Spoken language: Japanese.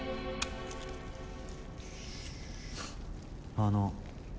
あの。